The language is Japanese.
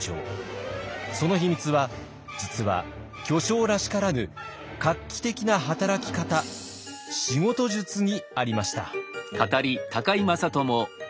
その秘密は実は巨匠らしからぬ画期的な働き方仕事術にありました。